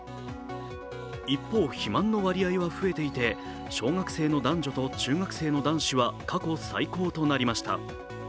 一方、肥満の割合は増えていて、小学生の男女と中学生の男子は過去最高となりました。